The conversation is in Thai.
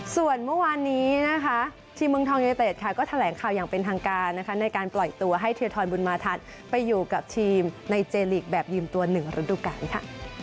ส่วนเมื่อวานนี้นะคะทีมเมืองทองยูเนเต็ดค่ะก็แถลงข่าวอย่างเป็นทางการนะคะในการปล่อยตัวให้เทียทรบุญมาทันไปอยู่กับทีมในเจลีกแบบยืมตัว๑ฤดูกาลค่ะ